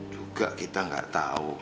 juga kita gak tau